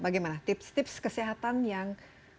bagaimana tips tips kesehatan yang